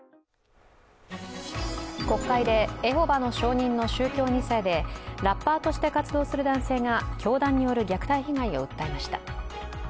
国会でエホバの証人の宗教２世でラッパーとして活動する男性が教団による虐待被害を訴えました。